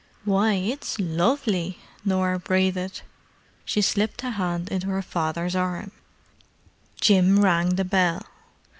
"Why, it's lovely!" Norah breathed. She slipped a hand into her father's arm. Jim rang the bell.